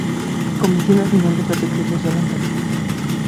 Comisión Nacional de Protección Social en Salud.